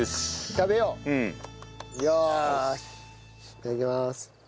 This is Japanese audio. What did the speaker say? いただきます。